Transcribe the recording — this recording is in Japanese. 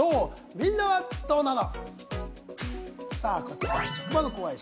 みんなはどうなの？